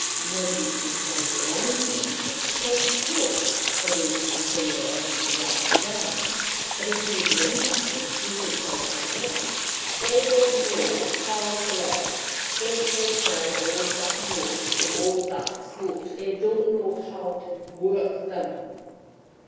"Nobody can play your own things but yourself, of course that is, until you are able to write them down; but, if you would learn something, we could play that together." "I don't know how to learn. I've heard tell of the notes and all that, but I don't know how to work them."